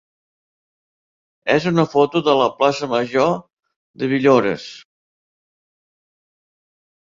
és una foto de la plaça major de Villores.